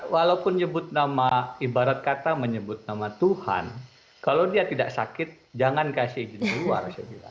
walaupun nyebut nama ibarat kata menyebut nama tuhan kalau dia tidak sakit jangan kasih izin keluar